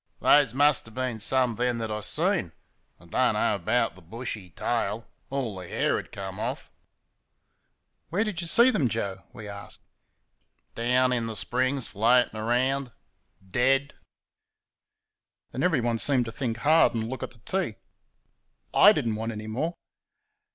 "Those muster bin some then thet I seen I do n't know 'bout the bushy tail all th' hair had comed off." "Where'd y' see them, Joe?" we asked. "Down 'n th' springs floating about dead." Then everyone seemed to think hard and look at the tea. I did n't want any more.